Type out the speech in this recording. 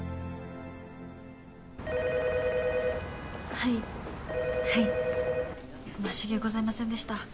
はいはい申し訳ございませんでした